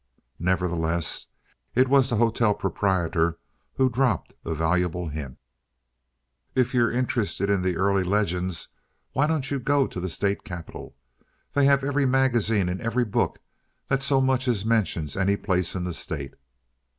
Nevertheless, it was the hotel proprietor who dropped a valuable hint. "If you're interested in the early legends, why don't you go to the State Capitol? They have every magazine and every book that so much as mentions any place in the state."